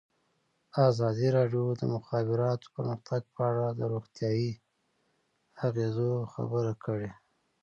ازادي راډیو د د مخابراتو پرمختګ په اړه د روغتیایي اغېزو خبره کړې.